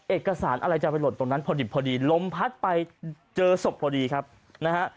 เอกสารอะไรจะไปหล่นตรงนั้นพอดีลมพัดไปเจอศพพอดีครับนะฮะ